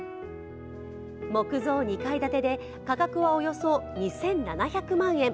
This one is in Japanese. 木造２階建てで価格はおよそ２７００万円。